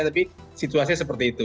tapi situasinya seperti itu